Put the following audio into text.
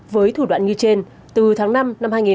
với thủ đoạn như trên từ tháng năm năm hai nghìn hai mươi ba